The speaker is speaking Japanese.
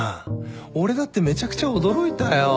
俺だってめちゃくちゃ驚いたよ。